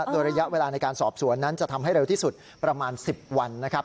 โดยระยะเวลาในการสอบสวนนั้นจะทำให้เร็วที่สุดประมาณ๑๐วันนะครับ